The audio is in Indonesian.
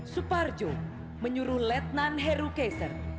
suparjo menyuruh letnan herukeser